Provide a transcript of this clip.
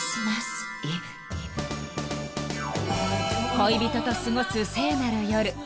［恋人と過ごす聖なる夜］